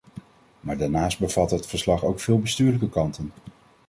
Maar daarnaast bevat het verslag ook veel bestuurlijke kanten.